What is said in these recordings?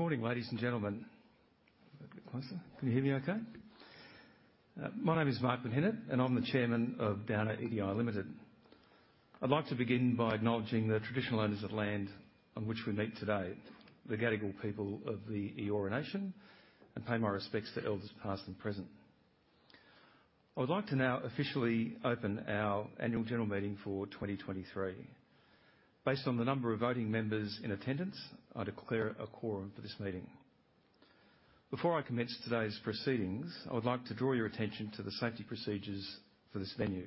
Good morning, ladies and gentlemen. A bit closer. Can you hear me okay? My name is Mark Menhinnitt, and I'm the Chairman of Downer EDI Limited. I'd like to begin by acknowledging the traditional owners of land on which we meet today, the Gadigal people of the Eora Nation, and pay my respects to elders, past and present. I would like to now officially open our annual general meeting for 2023. Based on the number of voting members in attendance, I declare a quorum for this meeting. Before I commence today's proceedings, I would like to draw your attention to the safety procedures for this venue.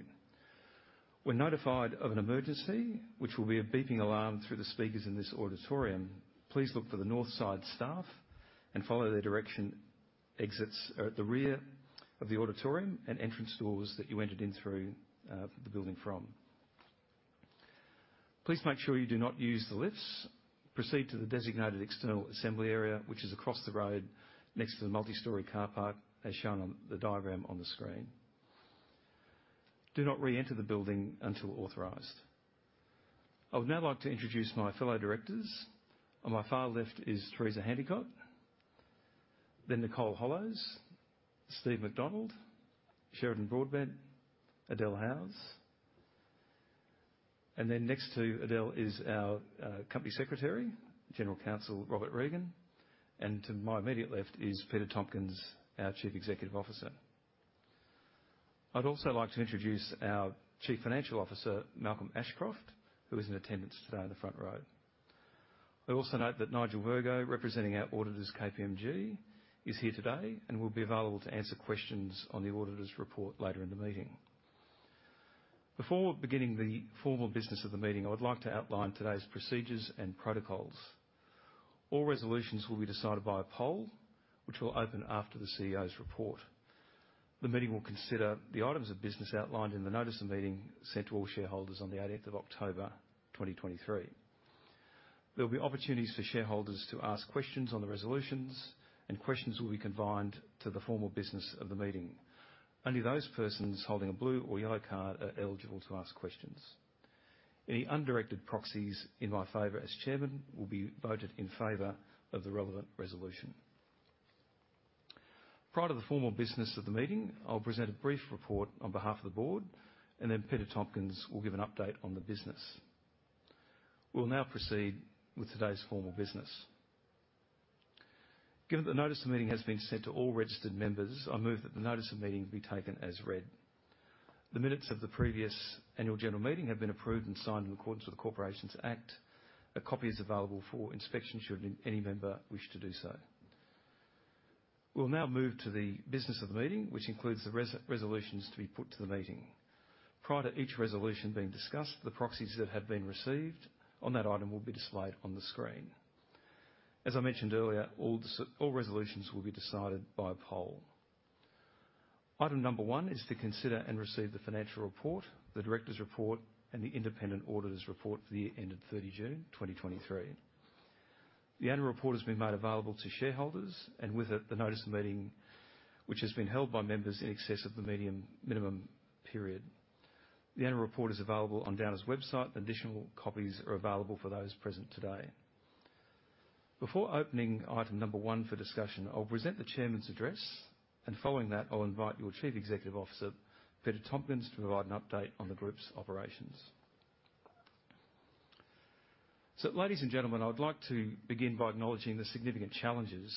When notified of an emergency, which will be a beeping alarm through the speakers in this auditorium, please look for the Northside staff and follow their direction. Exits are at the rear of the auditorium and entrance doors that you entered in through the building from. Please make sure you do not use the lifts. Proceed to the designated external assembly area, which is across the road next to the multi-story car park, as shown on the diagram on the screen. Do not reenter the building until authorized. I would now like to introduce my fellow directors. On my far left is Teresa Handicott, then Nicole Hollows, Steve MacDonald, Sheridan Broadbent, Adelle Howse, and then next to Adelle is our Company Secretary, General Counsel, Robert Regan. And to my immediate left is Peter Tompkins, our Chief Executive Officer. I'd also like to introduce our Chief Financial Officer, Malcolm Ashcroft, who is in attendance today on the front row. I also note that Nigel Virgo, representing our auditors, KPMG, is here today and will be available to answer questions on the auditors' report later in the meeting. Before beginning the formal business of the meeting, I would like to outline today's procedures and protocols. All resolutions will be decided by a poll, which will open after the CEO's report. The meeting will consider the items of business outlined in the notice of meeting sent to all shareholders on the 18th of October, 2023. There will be opportunities for shareholders to ask questions on the resolutions, and questions will be confined to the formal business of the meeting. Only those persons holding a blue or yellow card are eligible to ask questions. Any undirected proxies in my favor as chairman will be voted in favor of the relevant resolution. Prior to the formal business of the meeting, I'll present a brief report on behalf of the board, and then Peter Tompkins will give an update on the business. We'll now proceed with today's formal business. Given that the notice of meeting has been sent to all registered members, I move that the notice of meeting be taken as read. The minutes of the previous annual general meeting have been approved and signed in accordance with the Corporations Act. A copy is available for inspection should any member wish to do so. We'll now move to the business of the meeting, which includes the resolutions to be put to the meeting. Prior to each resolution being discussed, the proxies that have been received on that item will be displayed on the screen. As I mentioned earlier, all resolutions will be decided by a poll. Item number 1 is to consider and receive the financial report, the directors' report, and the independent auditors' report for the year ended 30 June 2023. The annual report has been made available to shareholders, and with it, the notice of meeting, which has been held by members in excess of the minimum period. The annual report is available on Downer's website. Additional copies are available for those present today. Before opening item number 1 for discussion, I'll present the Chairman's address, and following that, I'll invite your Chief Executive Officer, Peter Tompkins, to provide an update on the group's operations. So, ladies and gentlemen, I would like to begin by acknowledging the significant challenges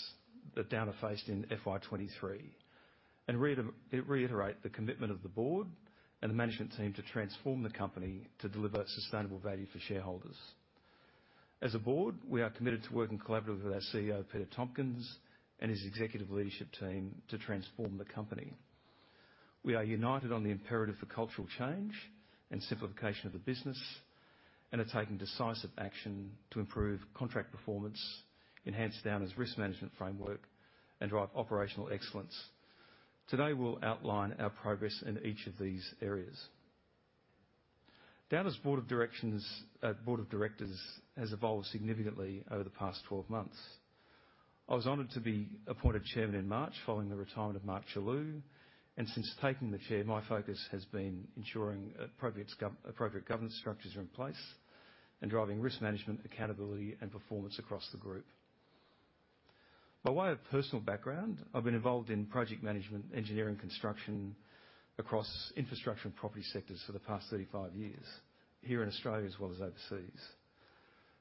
that Downer faced in FY 2023 and reiterate the commitment of the board and the management team to transform the company to deliver sustainable value for shareholders. As a board, we are committed to working collaboratively with our CEO, Peter Tompkins, and his executive leadership team to transform the company. We are united on the imperative for cultural change and simplification of the business and are taking decisive action to improve contract performance, enhance Downer's risk management framework, and drive operational excellence. Today, we'll outline our progress in each of these areas. Downer's board of directors has evolved significantly over the past 12 months. I was honored to be appointed chairman in March, following the retirement of Mark Chellew. Since taking the chair, my focus has been ensuring appropriate governance structures are in place and driving risk management, accountability, and performance across the group. By way of personal background, I've been involved in project management, engineering, construction across infrastructure and property sectors for the past 35 years, here in Australia as well as overseas.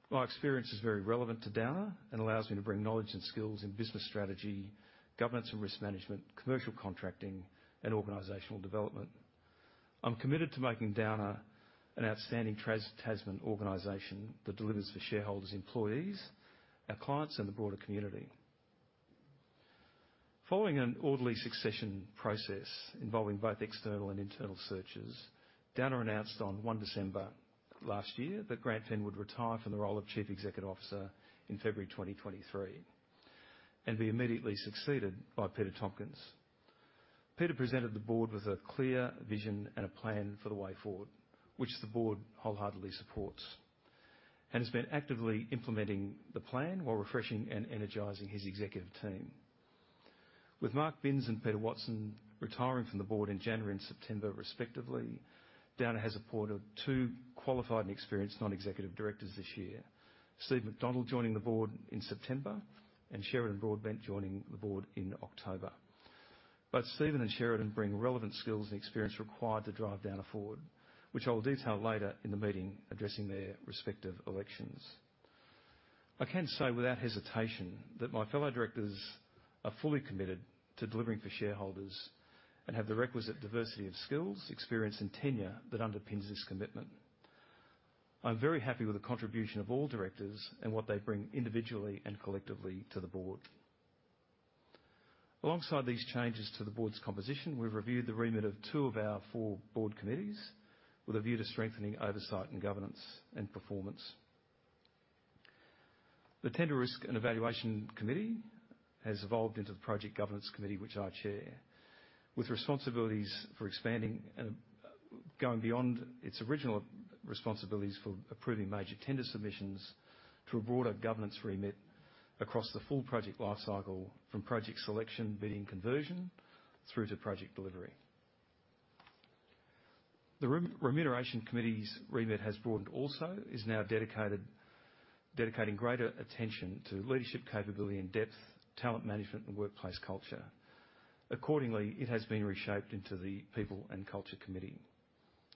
My experience is very relevant to Downer and allows me to bring knowledge and skills in business strategy, governance and risk management, commercial contracting, and organizational development. I'm committed to making Downer an outstanding trans-Tasman organization that delivers for shareholders, employees, our clients, and the broader community. Following an orderly succession process involving both external and internal searches, Downer announced on 1 December last year that Grant Fenn would retire from the role of Chief Executive Officer in February 2023 and be immediately succeeded by Peter Tompkins. Peter presented the board with a clear vision and a plan for the way forward, which the board wholeheartedly supports, and has been actively implementing the plan while refreshing and energizing his executive team... With Mark Binns and Peter Watson retiring from the board in January and September respectively, Downer has appointed two qualified and experienced non-executive directors this year. Steve MacDonald joining the board in September, and Sheridan Broadbent joining the board in October. Both Steve and Sheridan bring relevant skills and experience required to drive Downer forward, which I will detail later in the meeting addressing their respective elections. I can say without hesitation that my fellow directors are fully committed to delivering for shareholders and have the requisite diversity of skills, experience, and tenure that underpins this commitment. I'm very happy with the contribution of all directors and what they bring individually and collectively to the board. Alongside these changes to the board's composition, we've reviewed the remit of two of our four board committees with a view to strengthening oversight and governance and performance. The Tender Risk and Evaluation Committee has evolved into the Project Governance Committee, which I chair, with responsibilities for expanding and going beyond its original responsibilities for approving major tender submissions to a broader governance remit across the full project lifecycle, from project selection, bidding conversion, through to project delivery. The Remuneration Committee's remit has broadened also, is now dedicated, dedicating greater attention to leadership capability and depth, talent management, and workplace culture. Accordingly, it has been reshaped into the People and Culture Committee,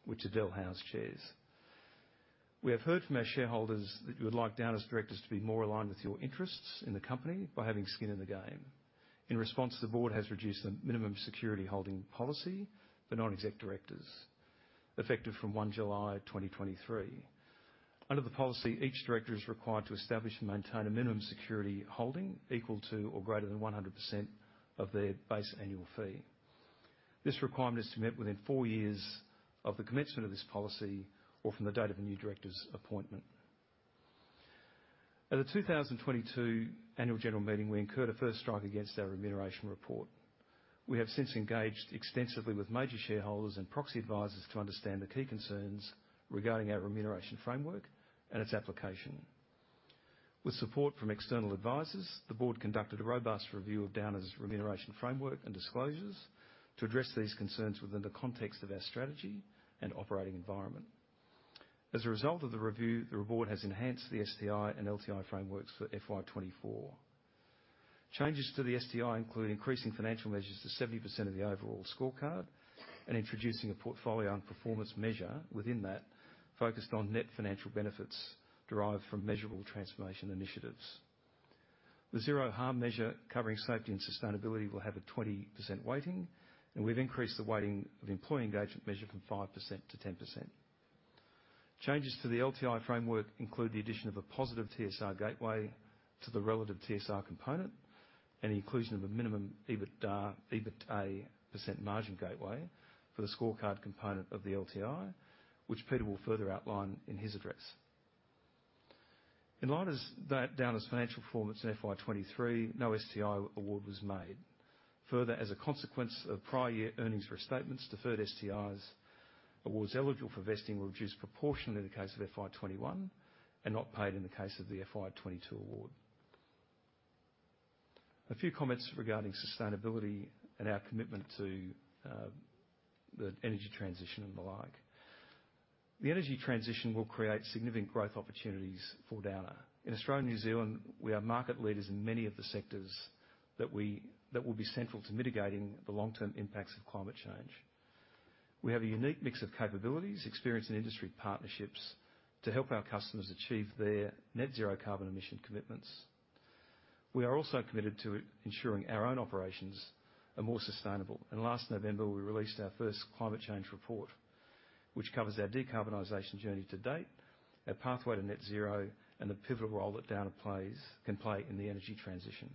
which Adelle Howse chairs. We have heard from our shareholders that you would like Downer's directors to be more aligned with your interests in the company by having skin in the game. In response, the board has reduced the minimum security holding policy for non-exec directors, effective from 1 July 2023. Under the policy, each director is required to establish and maintain a minimum security holding equal to or greater than 100% of their base annual fee. This requirement is to be met within four years of the commencement of this policy or from the date of a new director's appointment. At the 2022 Annual General Meeting, we incurred a first strike against our remuneration report. We have since engaged extensively with major shareholders and proxy advisors to understand the key concerns regarding our remuneration framework and its application. With support from external advisors, the board conducted a robust review of Downer's remuneration framework and disclosures to address these concerns within the context of our strategy and operating environment. As a result of the review, the board has enhanced the STI and LTI frameworks for FY 2024. Changes to the STI include increasing financial measures to 70% of the overall scorecard and introducing a portfolio and performance measure within that, focused on net financial benefits derived from measurable transformation initiatives. The Zero Harm measure, covering safety and sustainability, will have a 20% weighting, and we've increased the weighting of employee engagement measure from 5% to 10%. Changes to the LTI framework include the addition of a positive TSR gateway to the relative TSR component and the inclusion of a minimum EBITDA, EBITA% margin gateway for the scorecard component of the LTI, which Peter will further outline in his address. In line with that, Downer's financial performance in FY 2023, no STI award was made. Further, as a consequence of prior year earnings restatements, deferred STIs awards eligible for vesting were reduced proportionally in the case of FY 2021 and not paid in the case of the FY 2022 award. A few comments regarding sustainability and our commitment to the energy transition and the like. The energy transition will create significant growth opportunities for Downer. In Australia and New Zealand, we are market leaders in many of the sectors that will be central to mitigating the long-term impacts of climate change. We have a unique mix of capabilities, experience, and industry partnerships to help our customers achieve their net zero carbon emission commitments. We are also committed to ensuring our own operations are more sustainable, and last November, we released our first climate change report, which covers our decarbonization journey to date, our pathway to net zero, and the pivotal role that Downer plays, can play in the energy transition.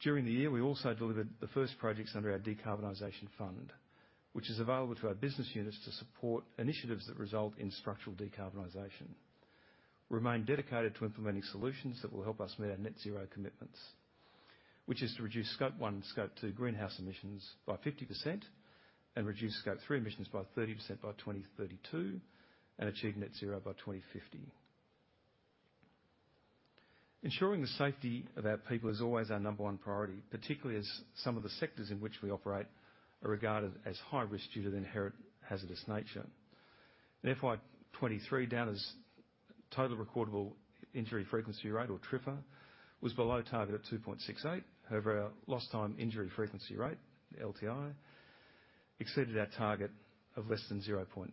During the year, we also delivered the first projects under our decarbonization fund, which is available to our business units to support initiatives that result in structural decarbonization. We remain dedicated to implementing solutions that will help us meet our net zero commitments, which is to reduce Scope 1 and Scope 2 greenhouse emissions by 50% and reduce Scope 3 emissions by 30% by 2032, and achieve net zero by 2050. Ensuring the safety of our people is always our number one priority, particularly as some of the sectors in which we operate are regarded as high risk due to their inherent hazardous nature. In FY 2023, Downer's total recordable injury frequency rate, or TRIFR, was below target at 2.68. However, our lost time injury frequency rate, LTI, exceeded our target of less than 0.9.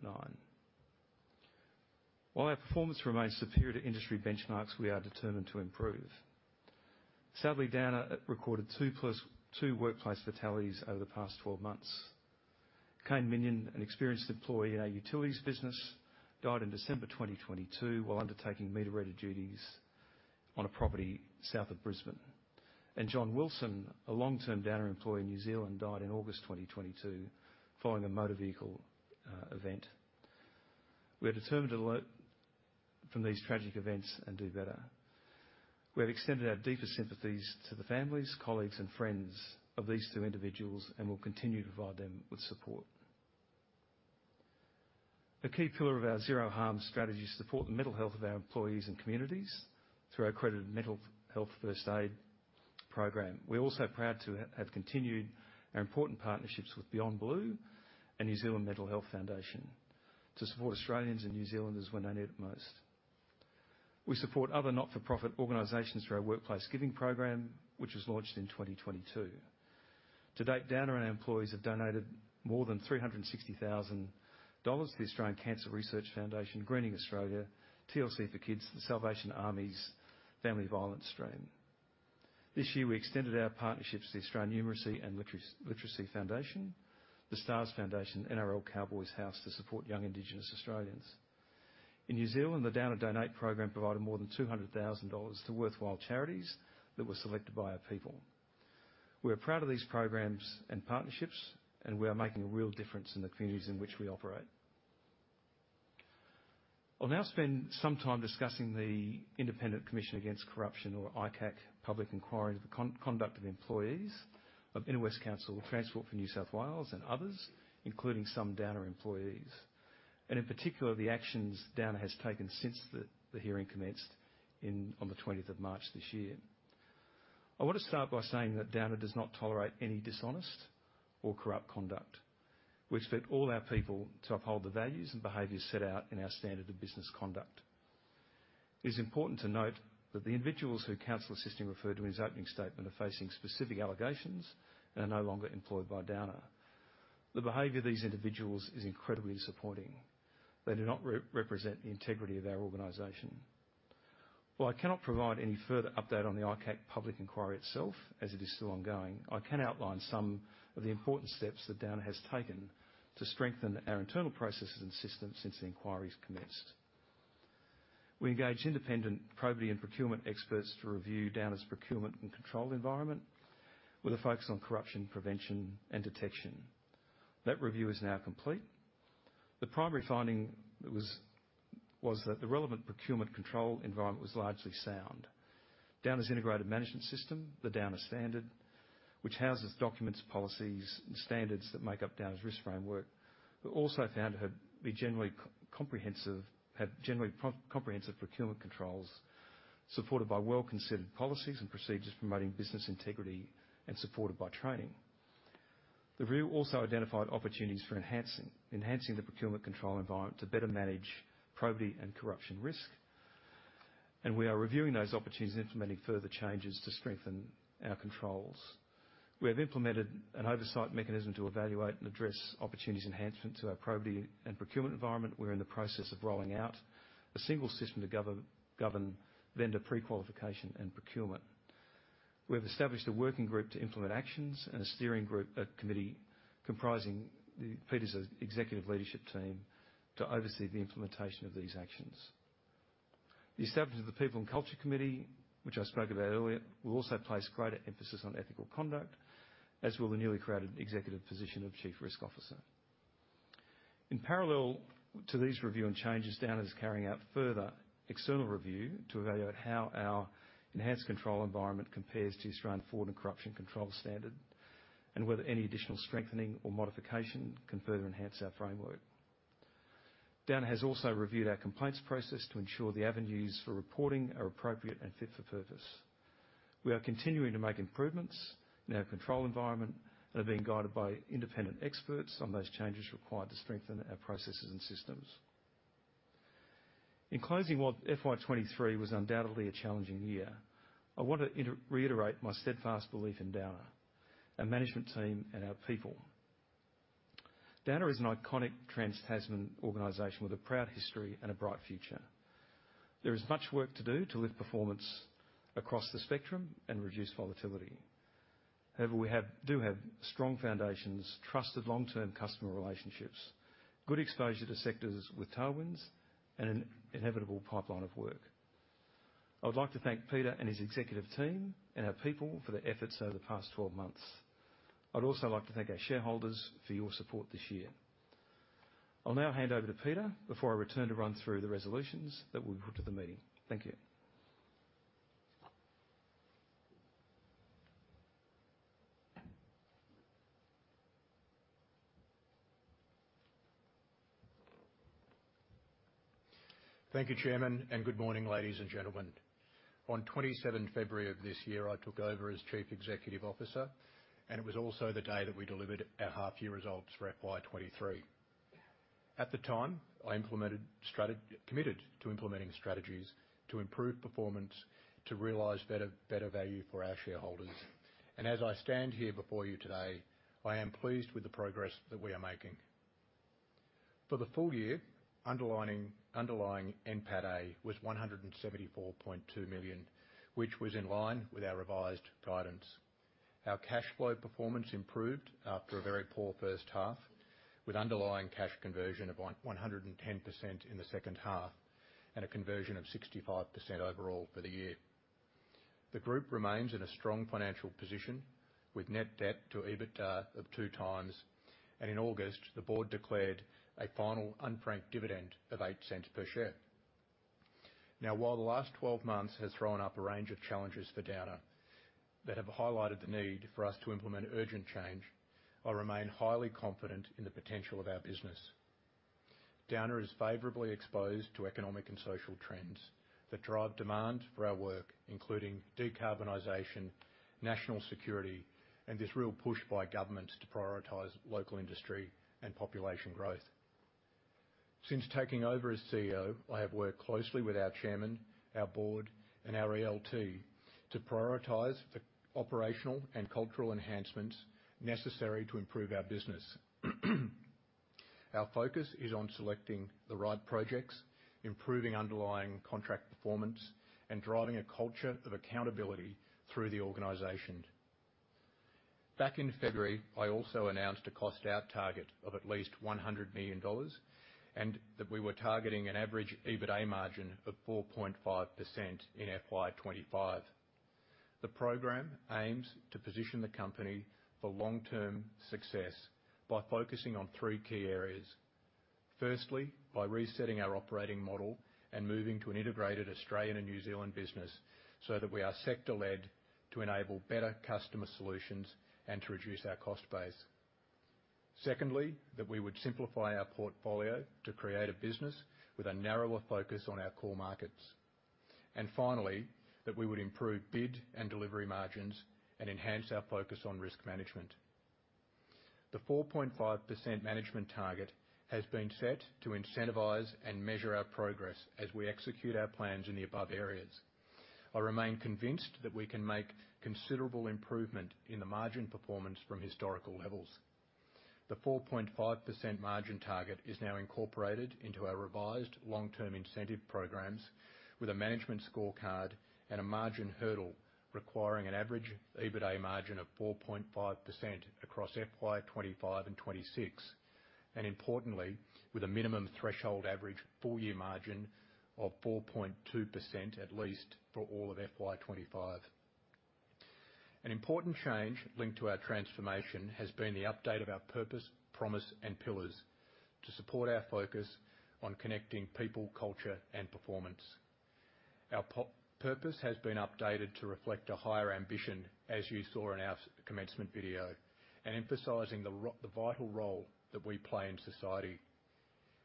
While our performance remains superior to industry benchmarks, we are determined to improve. Sadly, Downer recorded two workplace fatalities over the past 12 months. Kane Minion, an experienced employee in our utilities business, died in December 2022 while undertaking meter reader duties on a property south of Brisbane. John Wilson, a long-term Downer employee in New Zealand, died in August 2022 following a motor vehicle event. We are determined to learn from these tragic events and do better. We have extended our deepest sympathies to the families, colleagues, and friends of these two individuals and will continue to provide them with support. A key pillar of our Zero Harm strategy is to support the mental health of our employees and communities through our accredited Mental Health First Aid program. We're also proud to have continued our important partnerships with Beyond Blue and New Zealand Mental Health Foundation to support Australians and New Zealanders when they need it most. We support other not-for-profit organizations through our Workplace Giving program, which was launched in 2022. To date, Downer and our employees have donated more than 360,000 dollars to the Australian Cancer Research Foundation, Greening Australia, TLC for Kids, and the Salvation Army's Family Violence stream. This year, we extended our partnerships to The Australian Literacy and Numeracy Foundation, the Stars Foundation, NRL Cowboys House to support young Indigenous Australians. In New Zealand, the Downer Donate program provided more than 200,000 dollars to worthwhile charities that were selected by our people. We are proud of these programs and partnerships, and we are making a real difference in the communities in which we operate. I'll now spend some time discussing the Independent Commission Against Corruption, or ICAC, public inquiry into the conduct of employees of Inner West Council, Transport for New South Wales, and others, including some Downer employees. In particular, the actions Downer has taken since the hearing commenced on the twentieth of March this year. I want to start by saying that Downer does not tolerate any dishonest or corrupt conduct. We expect all our people to uphold the values and behaviors set out in our standard of business conduct. It is important to note that the individuals the counsel assisting referred to in his opening statement are facing specific allegations and are no longer employed by Downer. The behavior of these individuals is incredibly disappointing. They do not represent the integrity of our organization. While I cannot provide any further update on the ICAC public inquiry itself, as it is still ongoing, I can outline some of the important steps that Downer has taken to strengthen our internal processes and systems since the inquiry's commenced. We engaged independent probity and procurement experts to review Downer's procurement and control environment with a focus on corruption prevention and detection. That review is now complete. The primary finding was that the relevant procurement control environment was largely sound. Downer's integrated management system, the Downer Standard, which houses documents, policies, and standards that make up Downer's risk framework, were also found to have generally comprehensive procurement controls, supported by well-considered policies and procedures promoting business integrity and supported by training. The review also identified opportunities for enhancing the procurement control environment to better manage probity and corruption risk, and we are reviewing those opportunities and implementing further changes to strengthen our controls. We have implemented an oversight mechanism to evaluate and address opportunities enhancement to our probity and procurement environment. We're in the process of rolling out a single system to govern vendor pre-qualification and procurement. We have established a working group to implement actions and a steering group, a committee comprising Peter's executive leadership team, to oversee the implementation of these actions. The establishment of the People and Culture Committee, which I spoke about earlier, will also place greater emphasis on ethical conduct, as will the newly created executive position of Chief Risk Officer. In parallel to these review and changes, Downer is carrying out further external review to evaluate how our enhanced control environment compares to the Australian Fraud and Corruption Control Standard, and whether any additional strengthening or modification can further enhance our framework. Downer has also reviewed our complaints process to ensure the avenues for reporting are appropriate and fit for purpose. We are continuing to make improvements in our control environment and are being guided by independent experts on those changes required to strengthen our processes and systems. In closing, while FY 2023 was undoubtedly a challenging year, I want to reiterate my steadfast belief in Downer, our management team, and our people. Downer is an iconic Trans-Tasman organization with a proud history and a bright future. There is much work to do to lift performance across the spectrum and reduce volatility. However, we have, do have strong foundations, trusted long-term customer relationships, good exposure to sectors with tailwinds, and an inevitable pipeline of work. I would like to thank Peter and his executive team and our people for their efforts over the past 12 months. I'd also like to thank our shareholders for your support this year. I'll now hand over to Peter before I return to run through the resolutions that we've put to the meeting. Thank you. Thank you, Chairman, and good morning, ladies and gentlemen. On 27 February of this year, I took over as Chief Executive Officer, and it was also the day that we delivered our half-year results for FY 2023. At the time, I implemented strategy, committed to implementing strategies to improve performance, to realize better, better value for our shareholders. And as I stand here before you today, I am pleased with the progress that we are making. For the full year, underlying NPATA was 174.2 million, which was in line with our revised guidance. Our cash flow performance improved after a very poor first half, with underlying cash conversion of 110% in the second half, and a conversion of 65% overall for the year. The group remains in a strong financial position, with net debt to EBITDA of 2x, and in August, the board declared a final unfranked dividend of 0.08 per share. Now, while the last 12 months has thrown up a range of challenges for Downer that have highlighted the need for us to implement urgent change, I remain highly confident in the potential of our business. Downer is favorably exposed to economic and social trends that drive demand for our work, including decarbonization, national security, and this real push by governments to prioritize local industry and population growth. Since taking over as CEO, I have worked closely with our Chairman, our board, and our ELT to prioritize the operational and cultural enhancements necessary to improve our business. Our focus is on selecting the right projects, improving underlying contract performance, and driving a culture of accountability through the organization. Back in February, I also announced a cost-out target of at least 100 million dollars, and that we were targeting an average EBITA margin of 4.5% in FY 2025. The program aims to position the company for long-term success by focusing on three key areas. Firstly, by resetting our operating model and moving to an integrated Australian and New Zealand business, so that we are sector-led to enable better customer solutions and to reduce our cost base. Secondly, that we would simplify our portfolio to create a business with a narrower focus on our core markets. And finally, that we would improve bid and delivery margins and enhance our focus on risk management. The 4.5% management target has been set to incentivize and measure our progress as we execute our plans in the above areas. I remain convinced that we can make considerable improvement in the margin performance from historical levels. The 4.5% margin target is now incorporated into our revised long-term incentive programs, with a management scorecard and a margin hurdle requiring an average EBITA margin of 4.5% across FY 2025 and 2026, and importantly, with a minimum threshold average full year margin of 4.2%, at least, for all of FY 2025. An important change linked to our transformation has been the update of our purpose, promise, and pillars to support our focus on connecting people, culture, and performance. Our purpose has been updated to reflect a higher ambition, as you saw in our commencement video, and emphasizing the vital role that we play in society.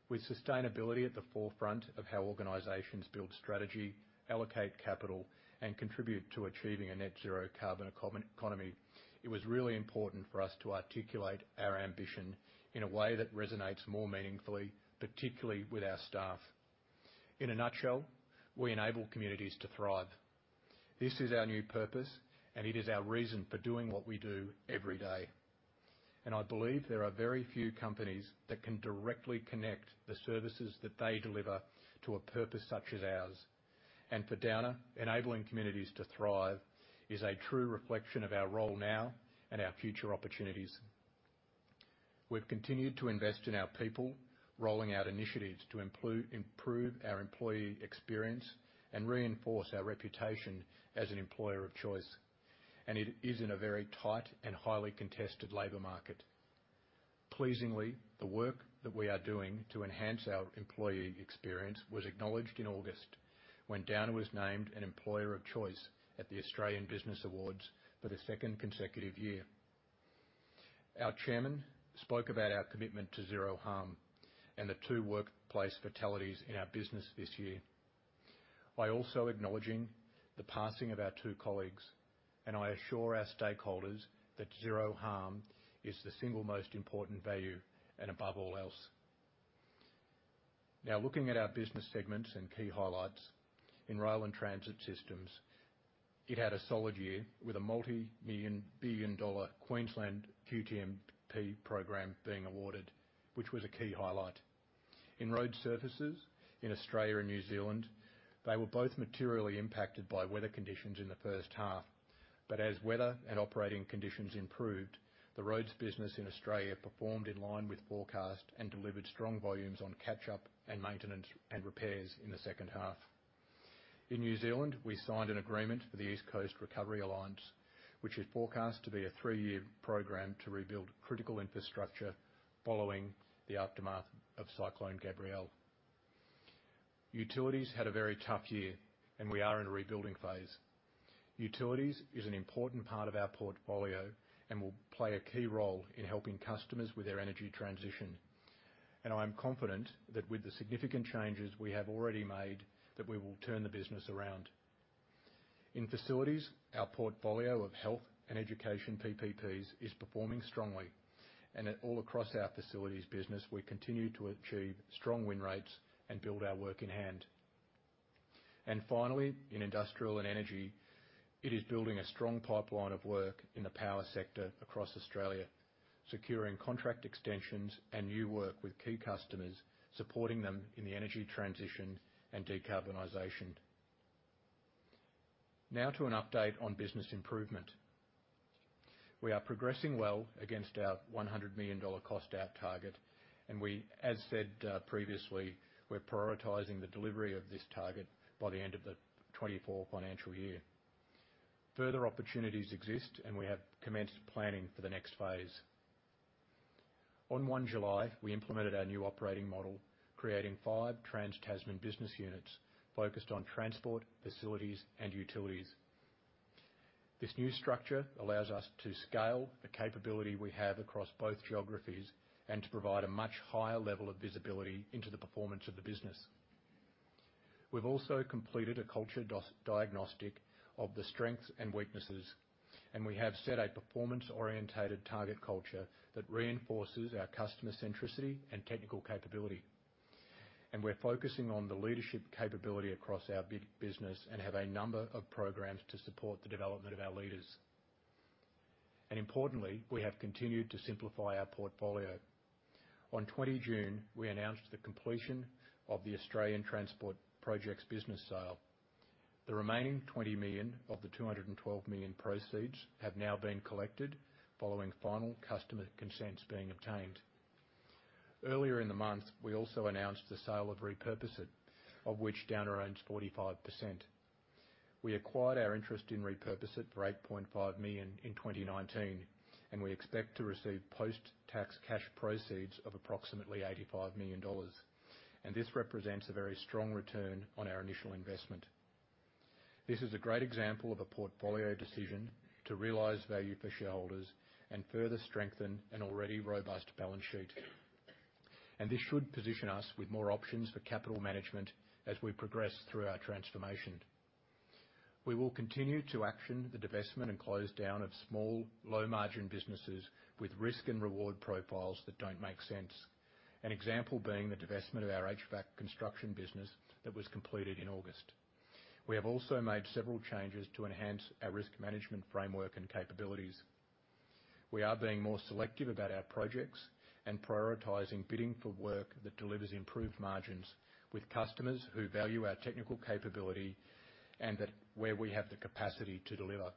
With sustainability at the forefront of how organizations build strategy, allocate capital, and contribute to achieving a net zero carbon eco-economy, it was really important for us to articulate our ambition in a way that resonates more meaningfully, particularly with our staff. In a nutshell, we enable communities to thrive. This is our new purpose, and it is our reason for doing what we do every day. I believe there are very few companies that can directly connect the services that they deliver to a purpose such as ours. For Downer, enabling communities to thrive is a true reflection of our role now and our future opportunities. We've continued to invest in our people, rolling out initiatives to improve our employee experience and reinforce our reputation as an employer of choice, and it is in a very tight and highly contested labor market. Pleasingly, the work that we are doing to enhance our employee experience was acknowledged in August, when Downer was named an Employer of Choice at the Australian Business Awards for the second consecutive year. Our Chairman spoke about our commitment to Zero Harm and the two workplace fatalities in our business this year. I also acknowledged the passing of our two colleagues, and I assure our stakeholders that Zero Harm is the single most important value and above all else. Now, looking at our business segments and key highlights. In Rail and Transit Systems, it had a solid year with a multi-billion-dollar Queensland QTMP program being awarded, which was a key highlight. In Road Services in Australia and New Zealand, they were both materially impacted by weather conditions in the first half, but as weather and operating conditions improved, the roads business in Australia performed in line with forecast and delivered strong volumes on catch-up and maintenance and repairs in the second half. In New Zealand, we signed an agreement for the East Coast Recovery Alliance, which is forecast to be a three-year program to rebuild critical infrastructure following the aftermath of Cyclone Gabrielle. Utilities had a very tough year, and we are in a rebuilding phase. Utilities is an important part of our portfolio and will play a key role in helping customers with their energy transition. I'm confident that with the significant changes we have already made, that we will turn the business around. In Facilities, our portfolio of health and education PPPs is performing strongly, and at all across our facilities business, we continue to achieve strong win rates and build our work in hand. And finally, in Industrial and Energy, it is building a strong pipeline of work in the power sector across Australia, securing contract extensions and new work with key customers, supporting them in the energy transition and decarbonization. Now to an update on business improvement. We are progressing well against our 100 million dollar cost out target, and we, as said, previously, we're prioritizing the delivery of this target by the end of the 2024 financial year. Further opportunities exist, and we have commenced planning for the next phase. On 1 July, we implemented our new operating model, creating five trans-Tasman business units focused on transport, facilities, and utilities. This new structure allows us to scale the capability we have across both geographies and to provide a much higher level of visibility into the performance of the business. We've also completed a culture diagnostic of the strengths and weaknesses, and we have set a performance-oriented target culture that reinforces our customer centricity and technical capability. And we're focusing on the leadership capability across our big business and have a number of programs to support the development of our leaders. And importantly, we have continued to simplify our portfolio. On 20 June, we announced the completion of the Australian Transport Projects business sale. The remaining 20 million of the 212 million proceeds have now been collected following final customer consents being obtained. Earlier in the month, we also announced the sale of Repurpose It, of which Downer owns 45%. We acquired our interest in Repurpose It for 8.5 million in 2019, and we expect to receive post-tax cash proceeds of approximately 85 million dollars, and this represents a very strong return on our initial investment. This is a great example of a portfolio decision to realize value for shareholders and further strengthen an already robust balance sheet. This should position us with more options for capital management as we progress through our transformation. We will continue to action the divestment and close down of small, low-margin businesses with risk and reward profiles that don't make sense. An example being the divestment of our HVAC construction business that was completed in August. We have also made several changes to enhance our risk management framework and capabilities. We are being more selective about our projects and prioritizing bidding for work that delivers improved margins with customers who value our technical capability and that where we have the capacity to deliver.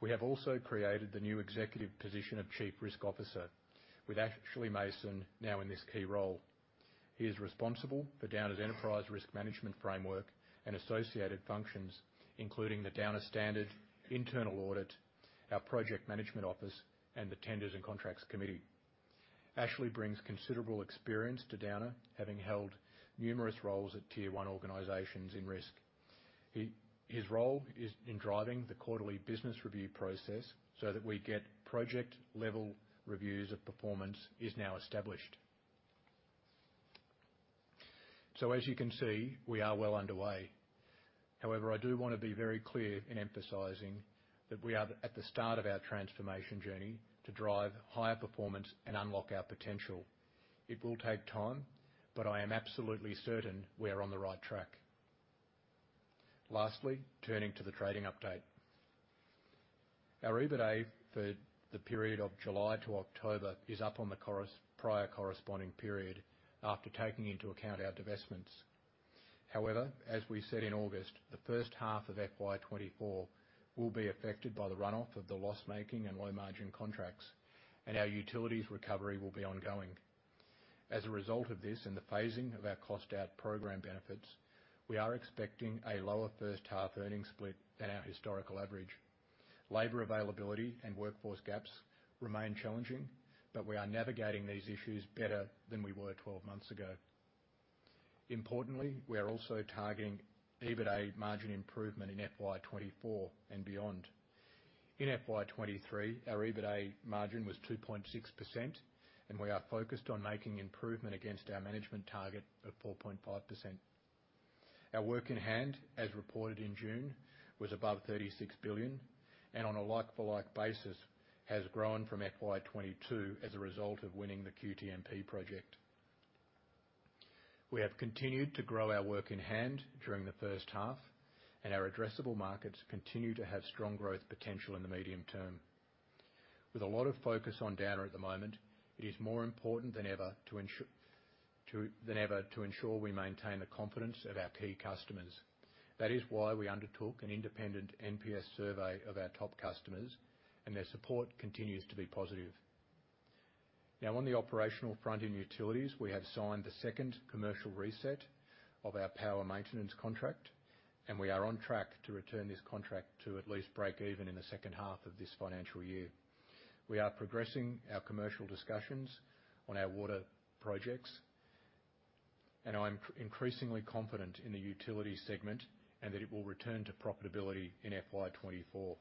We have also created the new executive position of Chief Risk Officer, with Ashley Mason now in this key role. He is responsible for Downer's enterprise risk management framework and associated functions, including the Downer Standard, internal audit, our project management office, and the Tenders and Contracts Committee. Ashley brings considerable experience to Downer, having held numerous roles at Tier 1 organizations in risk. He, his role is in driving the quarterly business review process so that we get project-level reviews of performance is now established. So as you can see, we are well underway. However, I do want to be very clear in emphasizing that we are at the start of our transformation journey to drive higher performance and unlock our potential. It will take time, but I am absolutely certain we are on the right track. Lastly, turning to the trading update. Our EBITDA for the period of July to October is up on the prior corresponding period after taking into account our divestments. However, as we said in August, the first half of FY 2024 will be affected by the runoff of the loss-making and low-margin contracts, and our utilities recovery will be ongoing. As a result of this, and the phasing of our cost-out program benefits, we are expecting a lower first half earnings split than our historical average. Labor availability and workforce gaps remain challenging, but we are navigating these issues better than we were 12 months ago. Importantly, we are also targeting EBITDA margin improvement in FY 2024 and beyond. In FY 2023, our EBITDA margin was 2.6%, and we are focused on making improvement against our management target of 4.5%. Our work in hand, as reported in June, was above 36 billion, and on a like-for-like basis, has grown from FY 2022 as a result of winning the QTMP project. We have continued to grow our work in hand during the first half, and our addressable markets continue to have strong growth potential in the medium term. With a lot of focus on Downer at the moment, it is more important than ever to ensure we maintain the confidence of our key customers. That is why we undertook an independent NPS survey of our top customers, and their support continues to be positive. Now, on the operational front in utilities, we have signed the second commercial reset of our power maintenance contract, and we are on track to return this contract to at least break even in the second half of this financial year. We are progressing our commercial discussions on our water projects, and I'm increasingly confident in the utility segment and that it will return to profitability in FY 2024.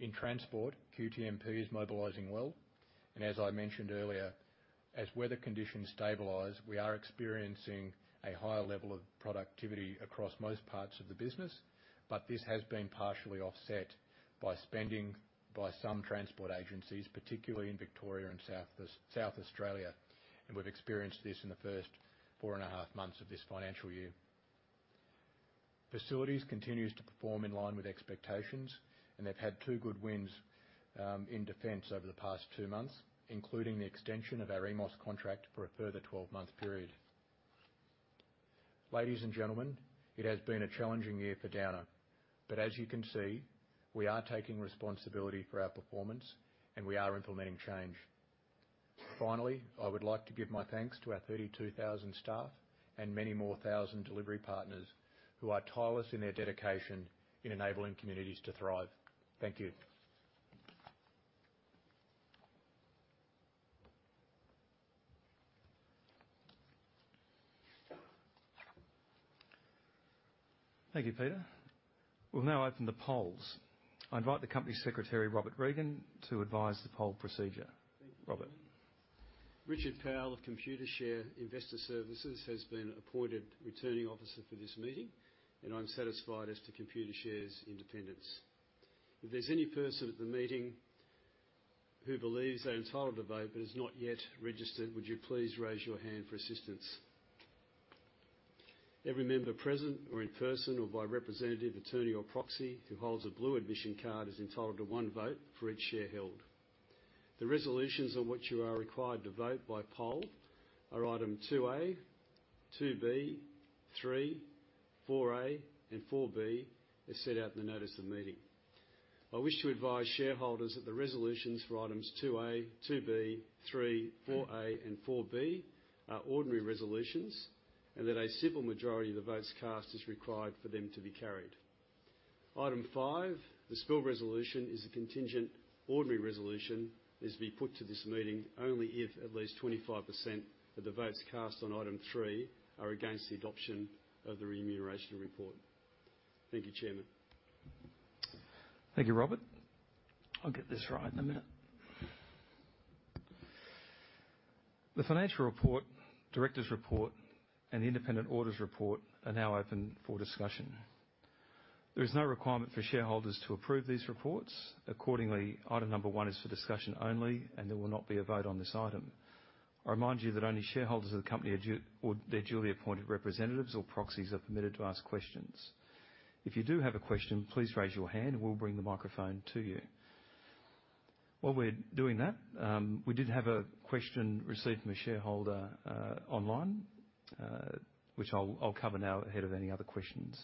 In transport, QTMP is mobilizing well, and as I mentioned earlier, as weather conditions stabilize, we are experiencing a higher level of productivity across most parts of the business, but this has been partially offset by spending by some transport agencies, particularly in Victoria and South Australia, and we've experienced this in the first four and a half months of this financial year. Facilities continues to perform in line with expectations, and they've had two good wins, in defense over the past two months, including the extension of our EMOS contract for a further 12-month period. Ladies and gentlemen, it has been a challenging year for Downer, but as you can see, we are taking responsibility for our performance, and we are implementing change. Finally, I would like to give my thanks to our 32,000 staff and many more thousand delivery partners who are tireless in their dedication in enabling communities to thrive. Thank you. Thank you, Peter. We'll now open the polls. I invite the Company Secretary, Robert Regan, to advise the poll procedure. Robert? Richard Powell of Computershare Investor Services has been appointed Returning Officer for this meeting, and I'm satisfied as to Computershare's independence. If there's any person at the meeting who believes they are entitled to vote but has not yet registered, would you please raise your hand for assistance? Every member present or in person, or by representative, attorney, or proxy, who holds a blue admission card, is entitled to one vote for each share held. The resolutions on which you are required to vote by poll are Item 2A, 2B, 3, 4A, and 4B, as set out in the notice of the meeting. I wish to advise shareholders that the resolutions for Items 2A, 2B, 3, 4A, and 4B are ordinary resolutions and that a simple majority of the votes cast is required for them to be carried. Item 5, the spill resolution, is a contingent ordinary resolution, is to be put to this meeting only if at least 25% of the votes cast on item 3 are against the adoption of the remuneration report. Thank you, Chairman. Thank you, Robert. I'll get this right in a minute. The financial report, directors' report, and the independent auditor's report are now open for discussion. There is no requirement for shareholders to approve these reports. Accordingly, item number 1 is for discussion only, and there will not be a vote on this item. I remind you that only shareholders of the company or their duly appointed representatives or proxies are permitted to ask questions. If you do have a question, please raise your hand and we'll bring the microphone to you. While we're doing that, we did have a question received from a shareholder online, which I'll cover now ahead of any other questions.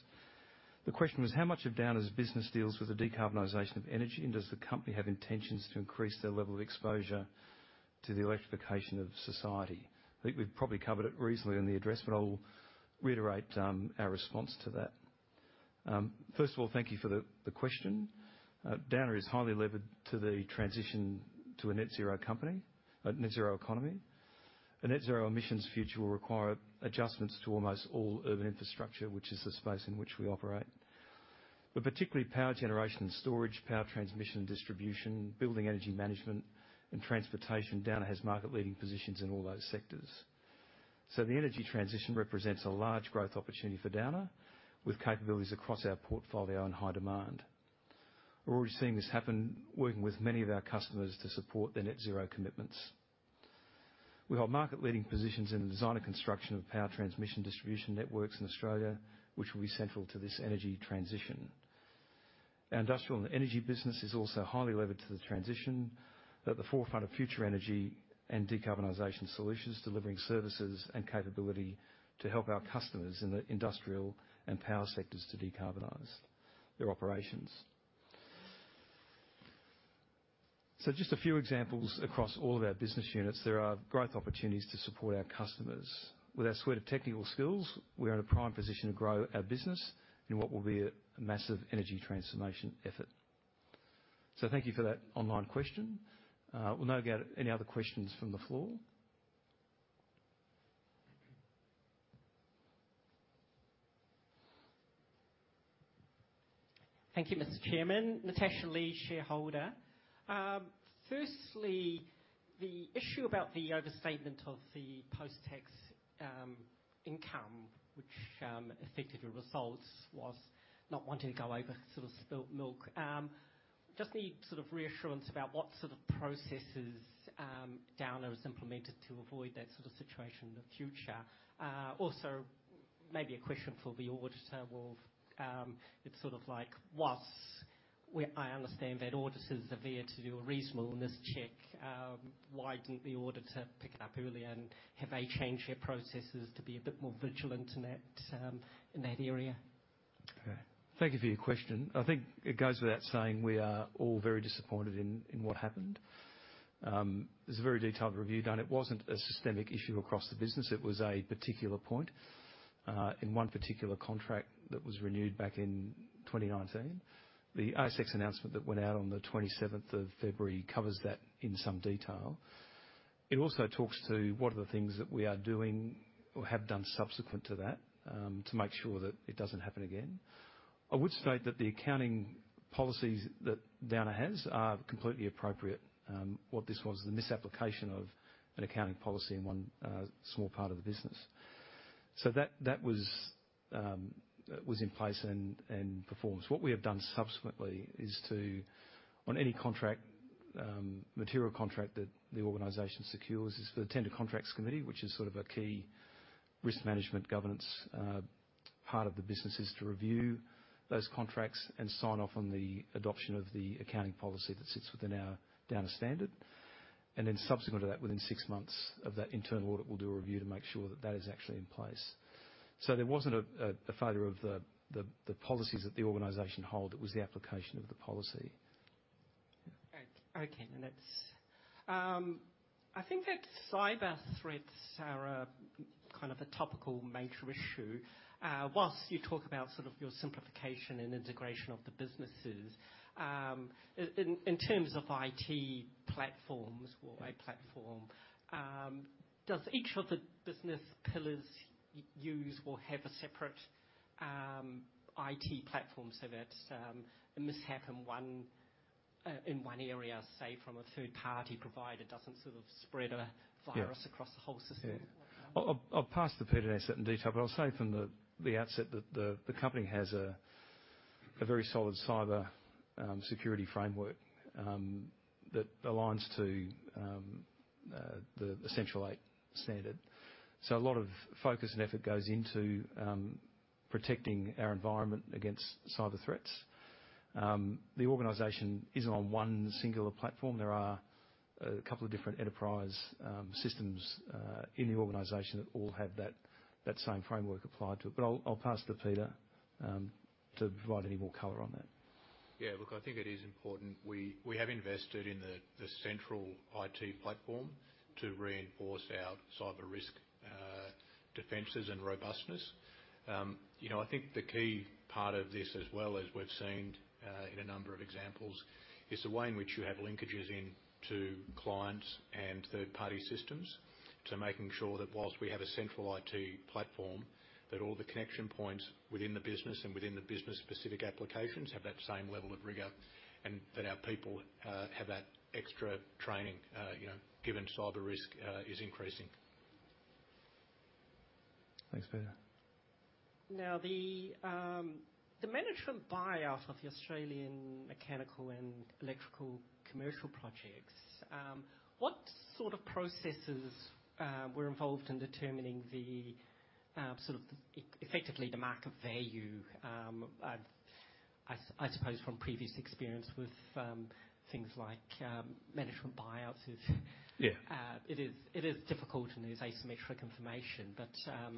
The question was: How much of Downer's business deals with the decarbonization of energy, and does the company have intentions to increase their level of exposure to the electrification of society? I think we've probably covered it recently in the address, but I'll reiterate our response to that. First of all, thank you for the question. Downer is highly levered to the transition to a net zero company, a net zero economy. A net zero emissions future will require adjustments to almost all urban infrastructure, which is the space in which we operate. But particularly power generation and storage, power transmission and distribution, building energy management, and transportation. Downer has market-leading positions in all those sectors. So the energy transition represents a large growth opportunity for Downer, with capabilities across our portfolio in high demand. We're already seeing this happen, working with many of our customers to support their net zero commitments. We hold market-leading positions in the design and construction of power transmission distribution networks in Australia, which will be central to this energy transition. Our industrial and energy business is also highly levered to the transition at the forefront of future energy and decarbonization solutions, delivering services and capability to help our customers in the industrial and power sectors to decarbonize their operations. So just a few examples across all of our business units, there are growth opportunities to support our customers. With our suite of technical skills, we are in a prime position to grow our business in what will be a massive energy transformation effort. So thank you for that online question. We'll now get any other questions from the floor. Thank you, Mr. Chairman. Natasha Lee, shareholder. Firstly, the issue about the overstatement of the post-tax income, which affected your results, was not wanting to go over sort of spilled milk. Just need sort of reassurance about what sort of processes Downer has implemented to avoid that sort of situation in the future. Also, maybe a question for the auditor, well, it's sort of like, while I understand that auditors are there to do a reasonableness check, why didn't the auditor pick it up earlier? And have they changed their processes to be a bit more vigilant in that area? Okay. Thank you for your question. I think it goes without saying we are all very disappointed in, in what happened. There's a very detailed review done. It wasn't a systemic issue across the business. It was a particular point in one particular contract that was renewed back in 2019. The ASX announcement that went out on the 27th of February covers that in some detail. It also talks to what are the things that we are doing or have done subsequent to that, to make sure that it doesn't happen again. I would state that the accounting policies that Downer has are completely appropriate. What this was, the misapplication of an accounting policy in one small part of the business. So that, that was, was in place and, and performs. What we have done subsequently is to, on any contract, material contract that the organization secures, is for the Tender Contracts Committee, which is sort of a key risk management, governance, part of the business, is to review those contracts and sign off on the adoption of the accounting policy that sits within our Downer Standard. And then subsequent to that, within six months of that internal audit, we'll do a review to make sure that that is actually in place. So there wasn't a failure of the policies that the organization hold, it was the application of the policy. Okay, and that's, I think that cyber threats are a kind of a topical major issue. While you talk about sort of your simplification and integration of the businesses, in terms of IT platforms or a platform, does each of the business pillars use or have a separate IT platform so that a mishap in one area, say, from a third-party provider, doesn't sort of spread a virus- Yeah.... across the whole system? Yeah. I'll, I'll pass to Peter to set in detail, but I'll say from the, the outset that the, the company has a, a very solid cyber, security framework, that aligns to, the Essential Eight standard. So a lot of focus and effort goes into, protecting our environment against cyber threats. The organization is on one singular platform. There are a couple of different enterprise, systems, in the organization that all have that, that same framework applied to it. But I'll, I'll pass to Peter, to provide any more color on that. Yeah, look, I think it is important. We have invested in the central IT platform to reinforce our cyber risk defenses and robustness. You know, I think the key part of this as well as we've seen in a number of examples, is the way in which you have linkages into clients and third-party systems. So making sure that while we have a central IT platform, that all the connection points within the business and within the business-specific applications have that same level of rigor, and that our people have that extra training, you know, given cyber risk is increasing. Thanks, Peter. Now, the management buyout of the Australian Mechanical and Electrical commercial projects, what sort of processes were involved in determining the sort of effectively the market value? I've, I suppose from previous experience with things like management buyouts is- Yeah. It is difficult and there's asymmetric information, but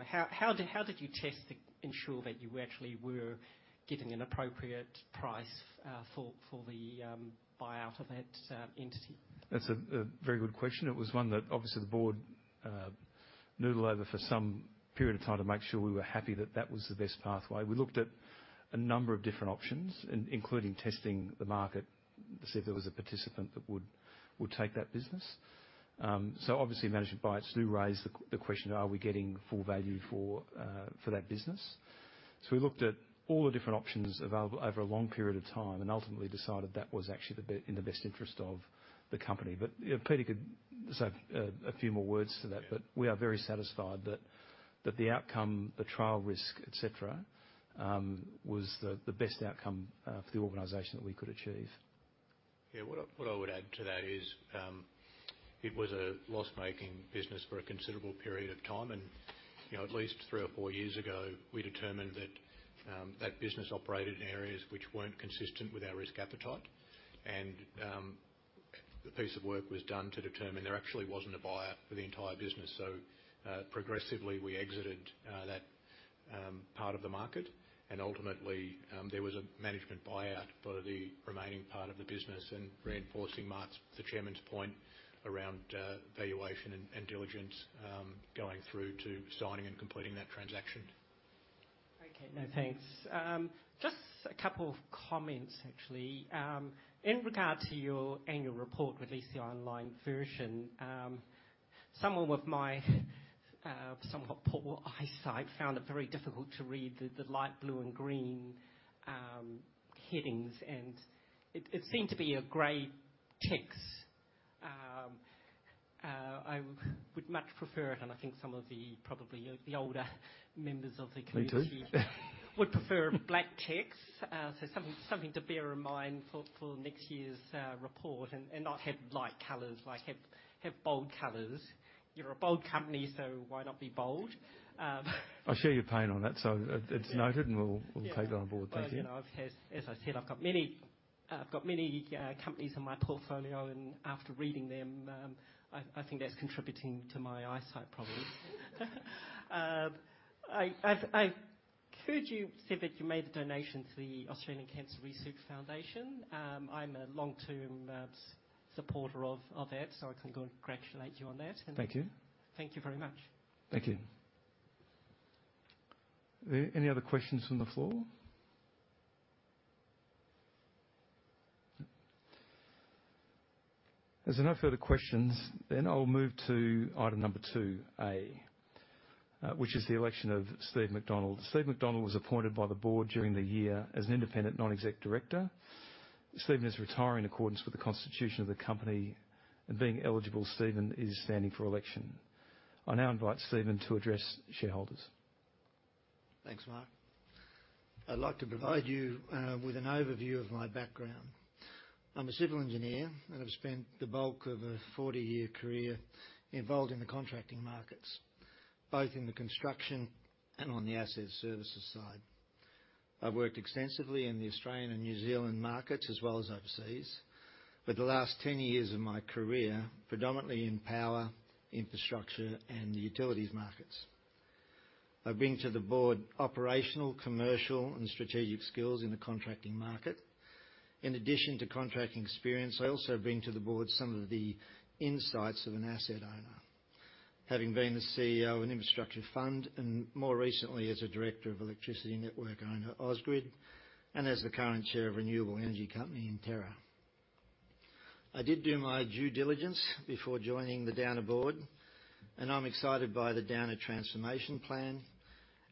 how did you test to ensure that you actually were getting an appropriate price for the buyout of that entity? That's a very good question. It was one that obviously the board noodled over for some period of time to make sure we were happy that that was the best pathway. We looked at a number of different options, including testing the market to see if there was a participant that would take that business. So obviously, management buyouts do raise the question: Are we getting full value for that business? So we looked at all the different options available over a long period of time and ultimately decided that was actually the best interest of the company. But, you know, Peter could say a few more words to that. Yeah. We are very satisfied that the outcome, the trial risk, et cetera, was the best outcome for the organization that we could achieve. Yeah, what I would add to that is, it was a loss-making business for a considerable period of time. And, you know, at least three or four years ago, we determined that that business operated in areas which weren't consistent with our risk appetite. And, a piece of work was done to determine there actually wasn't a buyer for the entire business. So, progressively, we exited that part of the market, and ultimately, there was a management buyout for the remaining part of the business. And reinforcing Mark's, the Chairman's point around valuation and diligence, going through to signing and completing that transaction. Okay, now, thanks. Just a couple of comments, actually. In regard to your annual report, or at least the online version, someone with my somewhat poor eyesight found it very difficult to read the light blue and green headings, and it seemed to be a gray text. I would much prefer it, and I think some of the, probably the older members of the community- Me too.... would prefer black text. So something, something to bear in mind for next year's report and not have light colors, like, have bold colors. You're a bold company, so why not be bold? I share your pain on that, so it's noted, and we'll- Yeah. We'll take it on board. Thank you. Well, you know, as I said, I've got many companies in my portfolio, and after reading them, I... Could you say that you made a donation to the Australian Cancer Research Foundation? I'm a long-term supporter of that, so I want to congratulate you on that. Thank you. Thank you very much. Thank you. Are there any other questions from the floor? As there are no further questions, then I'll move to item number 2A, which is the election of Steve MacDonald. Steve MacDonald was appointed by the board during the year as an independent non-exec director. Steve is retiring in accordance with the constitution of the company, and being eligible, Steve is standing for election. I now invite Steve to address shareholders. Thanks, Mark. I'd like to provide you with an overview of my background. I'm a civil engineer, and I've spent the bulk of a 40-year career involved in the contracting markets, both in the construction and on the asset services side. I've worked extensively in the Australian and New Zealand markets, as well as overseas, but the last 10 years of my career, predominantly in power, infrastructure, and the utilities markets. I bring to the board operational, commercial, and strategic skills in the contracting market. In addition to contracting experience, I also bring to the board some of the insights of an asset owner, having been the CEO of an infrastructure fund and more recently, as a director of electricity network owner, Ausgrid, and as the current chair of renewable energy company, Intera. I did do my due diligence before joining the Downer board, and I'm excited by the Downer transformation plan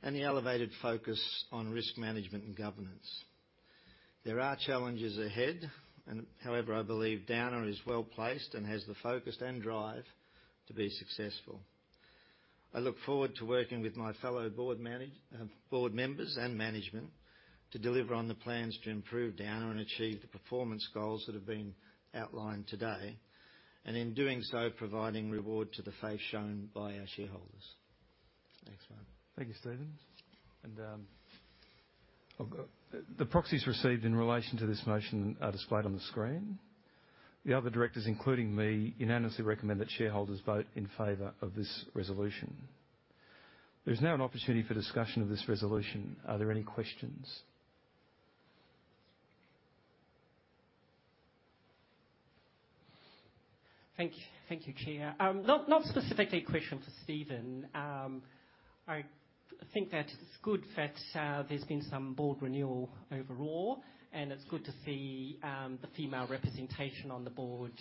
and the elevated focus on risk management and governance. There are challenges ahead, and however, I believe Downer is well-placed and has the focus and drive to be successful. I look forward to working with my fellow board members and management to deliver on the plans to improve Downer and achieve the performance goals that have been outlined today, and in doing so, providing reward to the faith shown by our shareholders. Thanks, Mark. Thank you, Steven. I've got... The proxies received in relation to this motion are displayed on the screen. The other directors, including me, unanimously recommend that shareholders vote in favor of this resolution. There's now an opportunity for discussion of this resolution. Are there any questions? Thank you. Thank you, Chair. Not specifically a question for Steve. I think that it's good that there's been some board renewal overall, and it's good to see the female representation on the board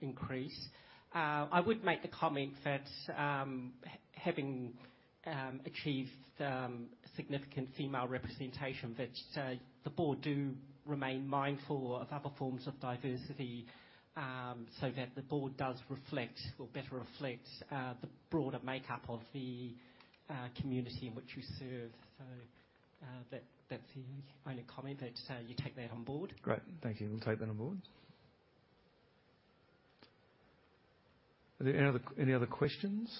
increase. I would make the comment that, having achieved significant female representation, that the board do remain mindful of other forms of diversity, so that the board does reflect or better reflect the broader makeup of the community in which you serve. So, that's the only comment, that you take that on board. Great. Thank you. We'll take that on board. Are there any other questions?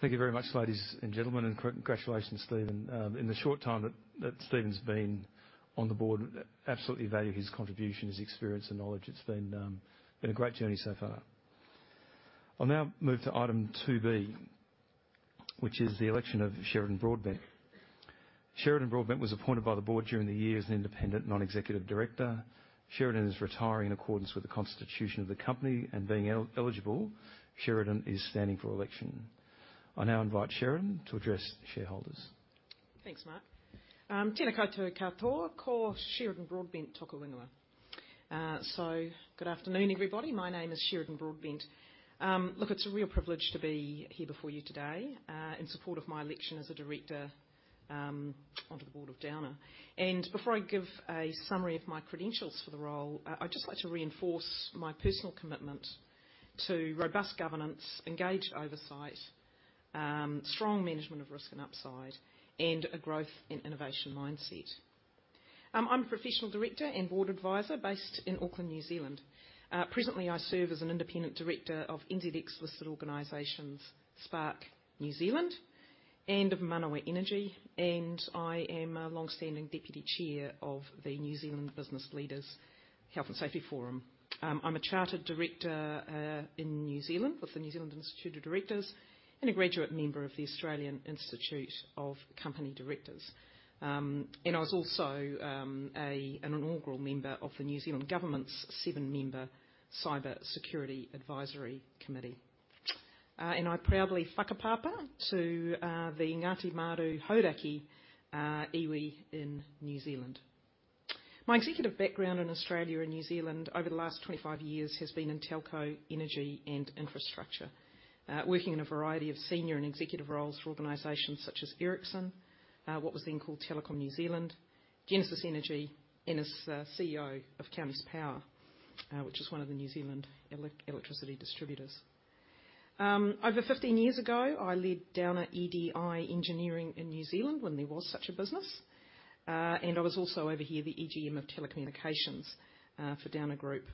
Thank you very much, ladies and gentlemen, and congratulations, Steve. In the short time that Steve's been on the board, absolutely value his contribution, his experience, and knowledge. It's been a great journey so far. I'll now move to item 2B, which is the election of Sheridan Broadbent. Sheridan Broadbent was appointed by the board during the year as an independent non-executive director. Sheridan is retiring in accordance with the constitution of the company, and being eligible, Sheridan is standing for election. I now invite Sheridan to address shareholders. Thanks, Mark. Tena koutou katoa. Ko Sheridan Broadbent toku ingoa. So good afternoon, everybody. My name is Sheridan Broadbent. Look, it's a real privilege to be here before you today, in support of my election as a director, onto the board of Downer. And before I give a summary of my credentials for the role, I'd just like to reinforce my personal commitment to robust governance, engaged oversight, strong management of risk and upside, and a growth and innovation mindset. I'm a professional director and board advisor based in Auckland, New Zealand. Presently, I serve as an independent director of NZX-listed organizations, Spark New Zealand, and of Manawa Energy, and I am a long-standing deputy chair of the New Zealand Business Leaders Health and Safety Forum. I'm a chartered director in New Zealand with the New Zealand Institute of Directors and a graduate member of the Australian Institute of Company Directors. And I was also an inaugural member of the New Zealand Government's 7-member Cybersecurity Advisory Committee. And I proudly whakapapa to the Ngāti Maru, Hauraki iwi in New Zealand. My executive background in Australia and New Zealand over the last 25 years has been in telco, energy, and infrastructure, working in a variety of senior and executive roles for organizations such as Ericsson, what was then called Telecom New Zealand, Genesis Energy, and as CEO of Counties Power, which is one of the New Zealand electricity distributors. Over 15 years ago, I led Downer EDI Engineering in New Zealand when there was such a business, and I was also over here, the AGM of telecommunications for Downer Group.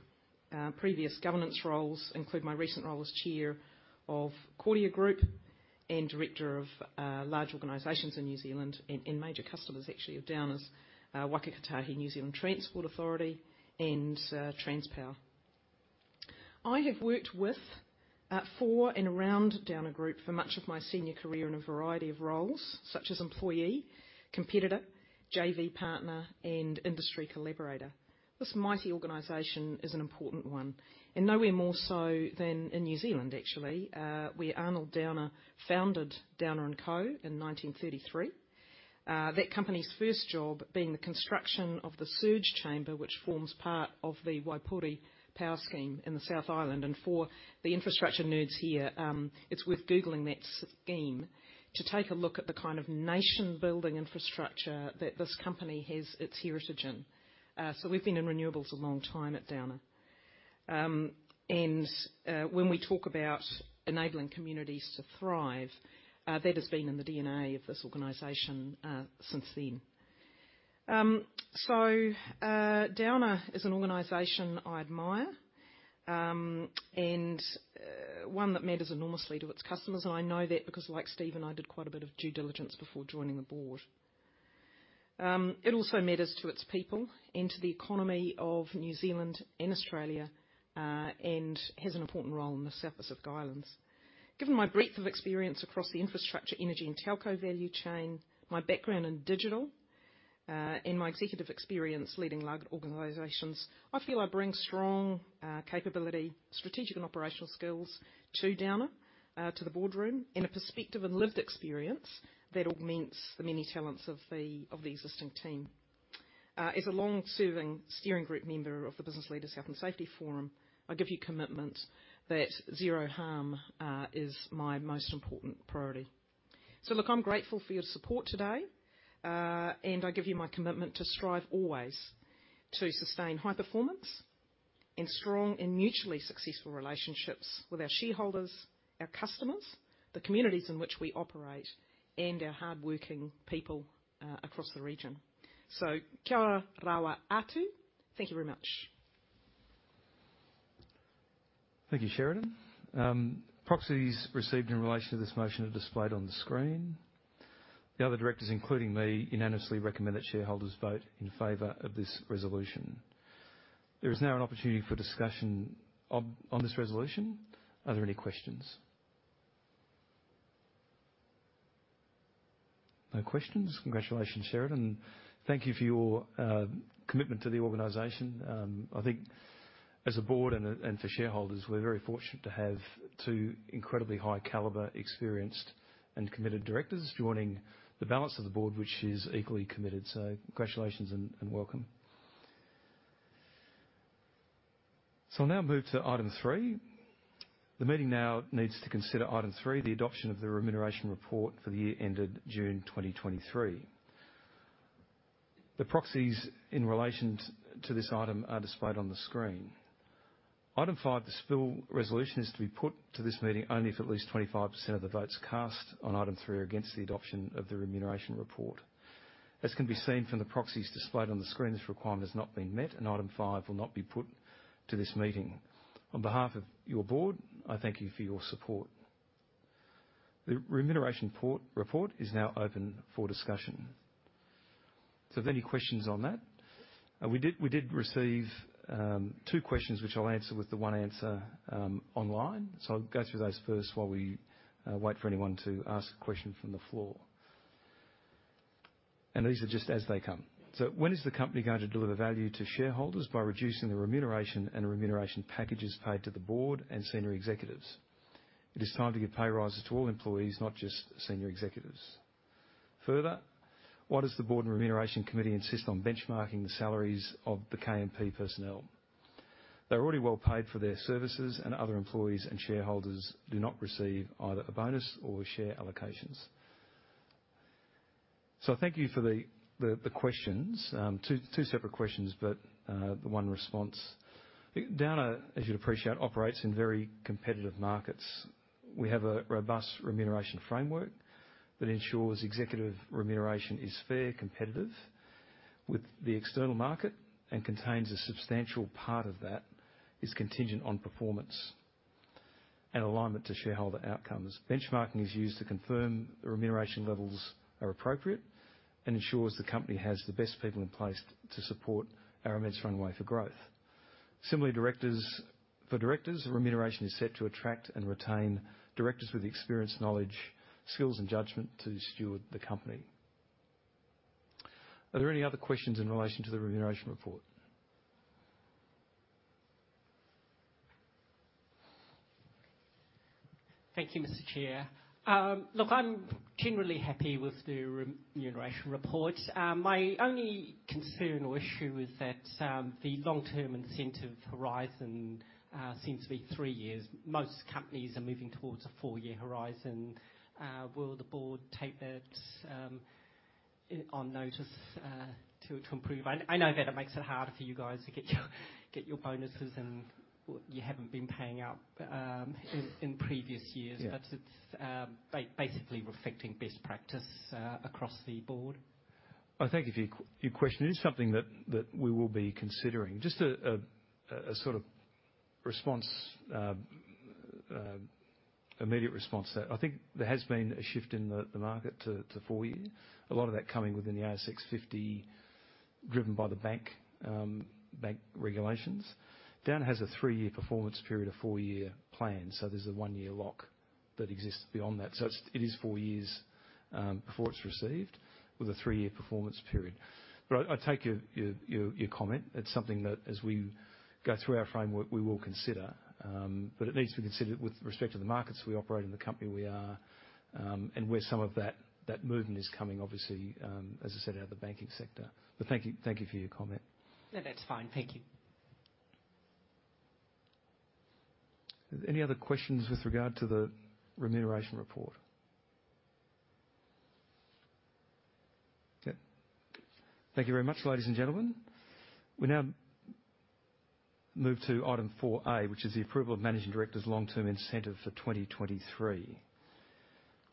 Previous governance roles include my recent role as chair of Kordia Group and director of large organizations in New Zealand and major customers, actually, of Downer's Waka Kotahi NZ Regional Transport Authority and Transpower. I have worked with, for and around Downer Group for much of my senior career in a variety of roles, such as employee, competitor, JV partner, and industry collaborator. This mighty organization is an important one, and nowhere more so than in New Zealand, actually, where Arnold Downer founded Downer and Co. in 1933. That company's first job being the construction of the surge chamber, which forms part of the Waipori Power Scheme in the South Island, and for the infrastructure nerds here, it's worth googling that scheme to take a look at the kind of nation-building infrastructure that this company has its heritage in. So we've been in renewables a long time at Downer. And when we talk about enabling communities to thrive, that has been in the DNA of this organization since then. So Downer is an organization I admire, and one that matters enormously to its customers. And I know that because, like Steven, I did quite a bit of due diligence before joining the board. It also matters to its people and to the economy of New Zealand and Australia, and has an important role in the South Pacific Islands. Given my breadth of experience across the infrastructure, energy, and telco value chain, my background in digital, and my executive experience leading large organizations, I feel I bring strong capability, strategic and operational skills to Downer, to the boardroom, and a perspective and lived experience that augments the many talents of the existing team. As a long-serving steering group member of the Business Leader Health and Safety Forum, I give you commitment that zero harm is my most important priority. Look, I'm grateful for your support today, and I give you my commitment to strive always to sustain high performance and strong and mutually successful relationships with our shareholders, our customers, the communities in which we operate, and our hardworking people across the region. Kia ora rawa atu. Thank you very much. Thank you, Sheridan. Proxies received in relation to this motion are displayed on the screen. The other directors, including me, unanimously recommend that shareholders vote in favor of this resolution. There is now an opportunity for discussion on this resolution. Are there any questions? No questions. Congratulations, Sheridan. Thank you for your commitment to the organization. I think as a board and for shareholders, we're very fortunate to have two incredibly high caliber, experienced, and committed directors joining the balance of the board, which is equally committed. So congratulations and welcome. So I'll now move to item three. The meeting now needs to consider item three, the adoption of the remuneration report for the year ended June 2023. The proxies in relation to this item are displayed on the screen. Item five, the spill resolution, is to be put to this meeting only if at least 25% of the votes cast on item three are against the adoption of the remuneration report. As can be seen from the proxies displayed on the screen, this requirement has not been met, and item five will not be put to this meeting. On behalf of your board, I thank you for your support. The remuneration report is now open for discussion. So if any questions on that? We did receive two questions, which I'll answer with the one answer, online. So I'll go through those first while we wait for anyone to ask a question from the floor. These are just as they come. So when is the company going to deliver value to shareholders by reducing the remuneration and remuneration packages paid to the board and senior executives? It is time to give pay rises to all employees, not just senior executives. Further, why does the Board and Remuneration Committee insist on benchmarking the salaries of the KMP personnel? They're already well paid for their services, and other employees and shareholders do not receive either a bonus or share allocations. So thank you for the questions. Two separate questions, but the one response. Downer, as you'd appreciate, operates in very competitive markets. We have a robust remuneration framework that ensures executive remuneration is fair, competitive with the external market, and contains a substantial part of that is contingent on performance and alignment to shareholder outcomes. Benchmarking is used to confirm the remuneration levels are appropriate and ensures the company has the best people in place to support our immense runway for growth. Similarly, for directors, the remuneration is set to attract and retain directors with the experience, knowledge, skills, and judgment to steward the company. Are there any other questions in relation to the remuneration report? Thank you, Mr. Chair. Look, I'm generally happy with the remuneration report. My only concern or issue is that the long-term incentive horizon seems to be three years. Most companies are moving towards a four-year horizon. Will the board take that on notice to improve? I know that it makes it harder for you guys to get your bonuses, and you haven't been paying out in previous years- Yeah.... but it's basically reflecting best practice across the board. I thank you for your question. It is something that we will be considering. Just a sort of response, immediate response to that. I think there has been a shift in the market to 4-year. A lot of that coming within the ASX 50, driven by the banking regulations. Downer has a 3-year performance period of 4-year plan, so there's a 1-year lock that exists beyond that. So it's, it is 4 years before it's received, with a 3-year performance period. But I take your comment. It's something that, as we go through our framework, we will consider. It needs to be considered with respect to the markets we operate and the company we are, and where some of that, that movement is coming, obviously, as I said, out of the banking sector. Thank you, thank you for your comment. No, that's fine. Thank you. Any other questions with regard to the remuneration report? Yeah. Thank you very much, ladies and gentlemen. We now move to Item 4A, which is the approval of Managing Director's long-term incentive for 2023.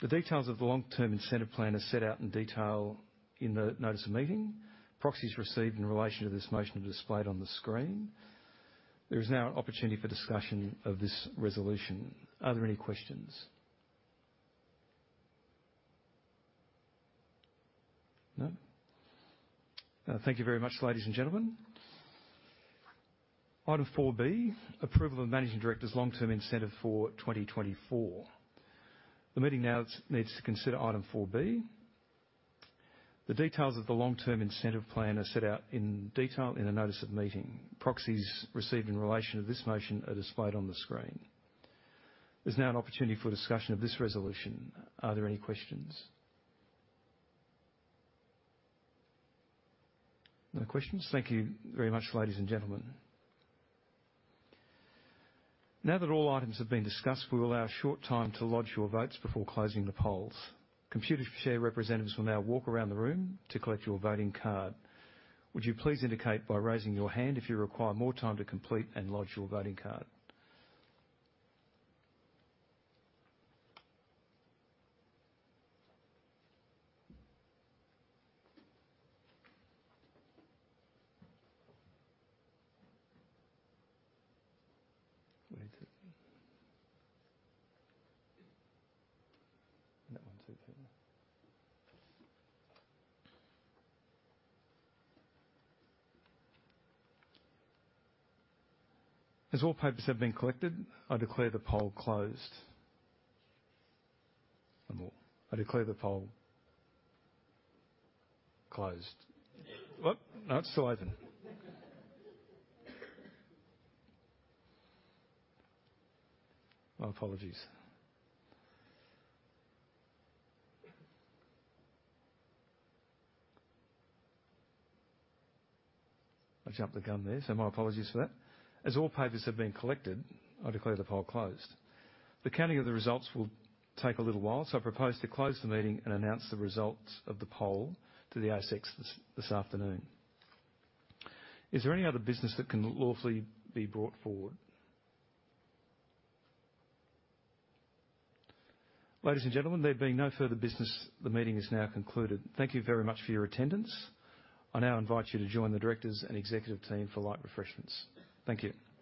The details of the long-term incentive plan are set out in detail in the notice of meeting. Proxies received in relation to this motion are displayed on the screen. There is now an opportunity for discussion of this resolution. Are there any questions? No? Thank you very much, ladies and gentlemen. Item 4B, approval of Managing Director's long-term incentive for 2024. The meeting now needs to consider Item 4B. The details of the long-term incentive plan are set out in detail in the notice of meeting. Proxies received in relation to this motion are displayed on the screen. There's now an opportunity for discussion of this resolution. Are there any questions? No questions. Thank you very much, ladies and gentlemen. Now that all items have been discussed, we will allow a short time to lodge your votes before closing the polls. Computershare representatives will now walk around the room to collect your voting card. Would you please indicate by raising your hand if you require more time to complete and lodge your voting card? As all papers have been collected, I declare the poll closed. One more. I declare the poll closed. Oh! No, it's still open. My apologies. I jumped the gun there, so my apologies for that. As all papers have been collected, I declare the poll closed. The counting of the results will take a little while, so I propose to close the meeting and announce the results of the poll to the ASX this, this afternoon. Is there any other business that can lawfully be brought forward? Ladies and gentlemen, there being no further business, the meeting is now concluded. Thank you very much for your attendance. I now invite you to join the directors and executive team for light refreshments. Thank you.